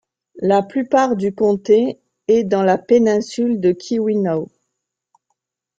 La plupart du comté est dans la péninsule de Keweenaw.